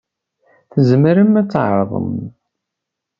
Tzemrem ad tɛerḍem?